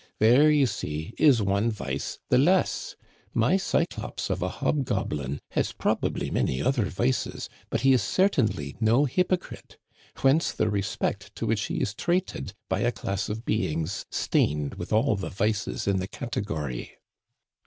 There, you see, is one vice the less. My Cyclops of a hobgoblin has probably many other vices, but he is certainly no hypocrite ; whence the respect to which he is treated by a class of beings stained with all the vices in the category."